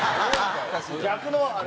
逆のあれ。